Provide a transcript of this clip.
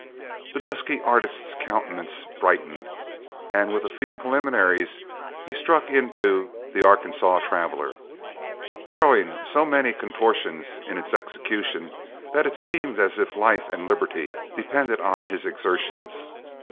The dusky artist's countenance brightened, and with a few preliminaries he struck into "The Arkansaw Traveler," throwing so many contortions into its execution that it seemed as if life and liberty depended on his exertions.